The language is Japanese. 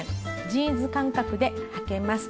ジーンズ感覚ではけます。